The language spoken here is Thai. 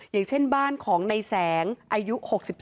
อย่างเช่นบ้านของในแสงอายุ๖๗